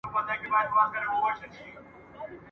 هم پردې سي هم غلیم د خپل تربور وي !.